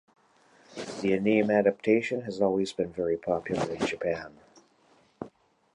The anime adaptation has also been very popular in Japan.